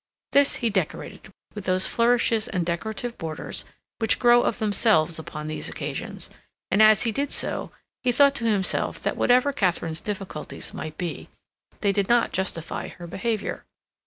This he decorated with those flourishes and decorative borders which grow of themselves upon these occasions; and as he did so, he thought to himself that whatever Katharine's difficulties might be, they did not justify her behavior.